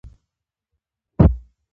افغانستان د اقلیم کوربه دی.